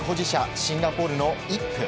シンガポールのイップ。